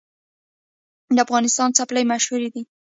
د افغانستان څپلۍ مشهورې دي